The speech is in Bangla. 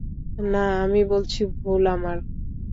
না, আমি বলছি ভুল আমার।